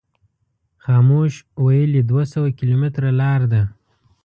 خاموش ویلي دوه سوه کیلومتره لار ده.